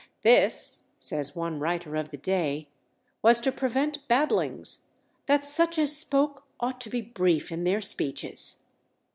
"This," says one writer of the day, "was to prevent babblings, that such as spoke ought to be brief in their speeches."